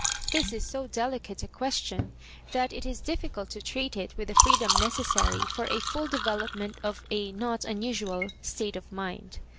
This is ao delicate a question, that it is difficult to treat it with the freedom necessary for a full de velopment of a not unusual state of mind.